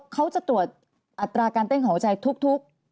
เขาจะตรวจอัตราการเต้นของหัวใจทุก